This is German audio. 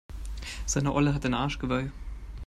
Seine Olle hat ein Arschgeweih.